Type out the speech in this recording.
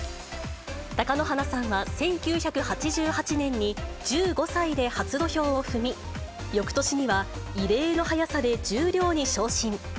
貴乃花さんは１９８８年に１５歳で初土俵を踏み、よくとしには異例の速さで十両に昇進。